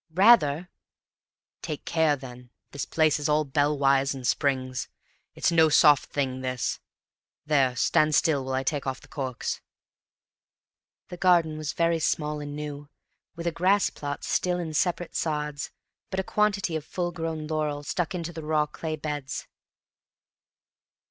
"Rather!" "Take care, then; the place is all bell wires and springs. It's no soft thing, this! There stand still while I take off the corks." The garden was very small and new, with a grass plot still in separate sods, but a quantity of full grown laurels stuck into the raw clay beds.